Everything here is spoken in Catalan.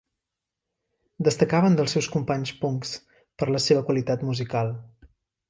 Destacaven dels seus companys punks per la qualitat musical.